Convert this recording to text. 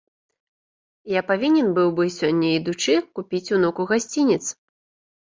Я павінен быў бы, сёння ідучы, купіць унуку гасцінец.